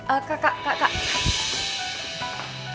eh kak kak kak kak